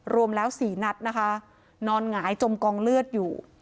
รวมแล้ว๔นัดนะคะนอนหงายจมกองเลือดอยู่